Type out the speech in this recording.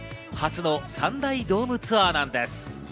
初の３大ドームツアーなんです。